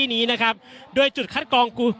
อย่างที่บอกไปว่าเรายังยึดในเรื่องของข้อ